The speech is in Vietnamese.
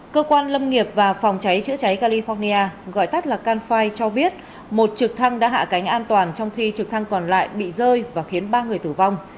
cơ quan lâm nghiệp và phòng cháy chữa cháy california gọi tắt là canfi cho biết một trực thăng đã hạ cánh an toàn trong khi trực thăng còn lại bị rơi và khiến ba người tử vong